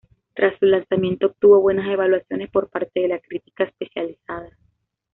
Tras su lanzamiento, obtuvo buenas evaluaciones por parte de la crítica especializada.